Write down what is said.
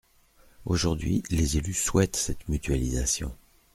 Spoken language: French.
Aujourd’hui, les élus souhaitent cette mutualisation.